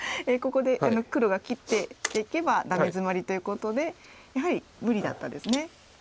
ここで黒が切っていけばダメヅマリということでやはり無理だったですね。